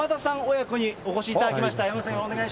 親子にお越しいただきました。